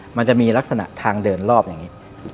มันจะมีลักษณะทางเดินรอบอย่างนี้